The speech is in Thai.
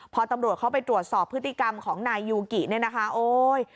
พอตำรวจเข้าไปตรวจสอบพฤติกรรมของนายยูกิเนี่ยนะคะโอ๊ย